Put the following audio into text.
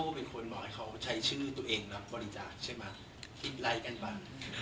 คิดอะไรกันบ้าง